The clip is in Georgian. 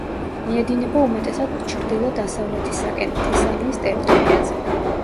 მიედინება უმეტესად ჩრდილო-დასავლეთისაკენ, თესალიის ტერიტორიაზე.